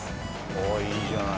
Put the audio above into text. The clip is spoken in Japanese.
おいいじゃない。